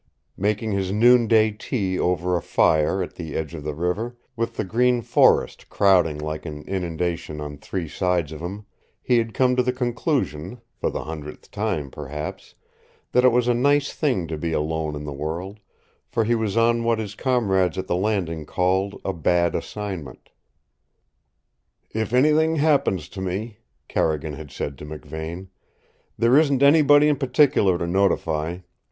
Making his noonday tea over a fire at the edge of the river, with the green forest crowding like an inundation on three sides of him, he had come to the conclusion for the hundredth time, perhaps that it was a nice thing to be alone in the world, for he was on what his comrades at the Landing called a "bad assignment." "If anything happens to me," Carrigan had said to McVane, "there isn't anybody in particular to notify.